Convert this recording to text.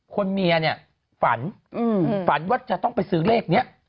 เมียเนี่ยฝันฝันว่าจะต้องไปซื้อเลขนี้